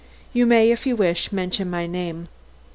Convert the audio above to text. You may, if you wish, mention my name."